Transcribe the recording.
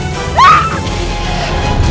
kau mau bunuh aku